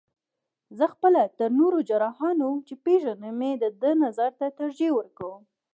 زه خپله تر نورو جراحانو، چې پېژنم یې د ده نظر ته ترجیح ورکوم.